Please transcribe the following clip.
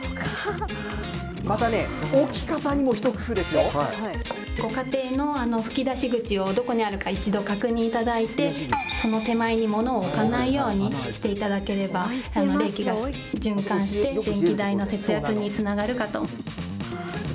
またね、ご家庭の吹き出し口を、どこにあるか、一度確認いただいて、その手前に物を置かないようにしていただければ、冷気が循環して、電気代の節約につながるかと。